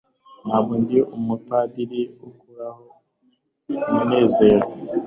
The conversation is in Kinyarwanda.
Ntabwo ndi umupadiri ukuraho umunezero